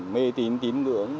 mê tín tín ngựa